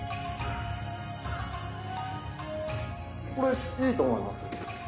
これいいと思います。